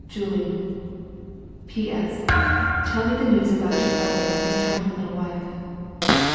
"Julie. " P. S. Tell me the news about your brother and his charm ing little wife.'